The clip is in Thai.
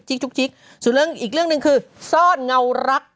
อีกเรื่องหนึ่งคือซ่อนเงารัก